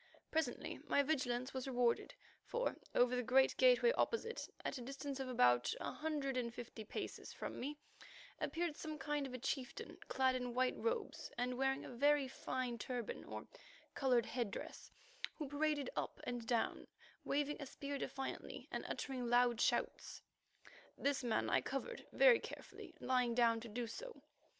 Presently my vigilance was rewarded, for over the great gateway opposite, at a distance of about a hundred and fifty paces from me, appeared some kind of a chieftain clad in white robes and wearing a very fine turban or coloured head dress, who paraded up and down, waving a spear defiantly and uttering loud shouts. This man I covered very carefully, lying down to do so.